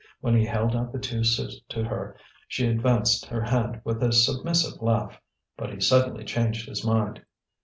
When he held out the two sous to her she advanced her hand with a submissive laugh. But he suddenly changed his mind.